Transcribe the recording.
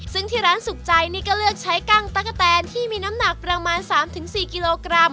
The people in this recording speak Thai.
ซึ่งที่ร้านสุขใจนี่ก็เลือกใช้กั้งตั๊กกะแตนที่มีน้ำหนักประมาณ๓๔กิโลกรัม